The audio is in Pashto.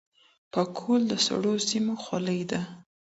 پکولي د سړو سيمو خولۍ ده.